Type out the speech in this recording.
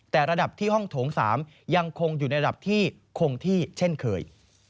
แต่ระดับที่ห้องโถง๓ยังคงอยู่ในระดับที่คงที่เช่นเคย